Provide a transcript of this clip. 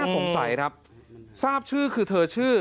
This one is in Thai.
สงสัยครับทราบชื่อคือเธอชื่อ